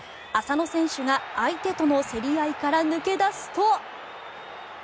浅野選手が相手との競り合いから抜け出すと。